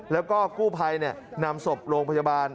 แล้วก็กู้ภัยนำศพโรงพยาบาล